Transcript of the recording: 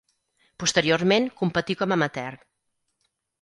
Posteriorment competí com amateur.